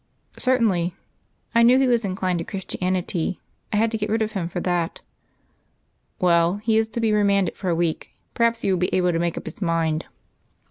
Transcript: "Certainly. I knew he was inclined to Christianity. I had to get rid of him for that." "Well, he is to be remanded for a week. Perhaps he will be able to make up his mind."